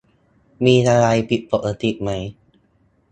มีอะไรผิดปกติไหม